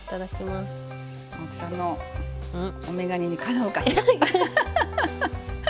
青木さんのおめがねにかなうかしら。